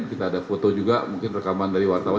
kita ada foto juga mungkin rekaman dari wartawan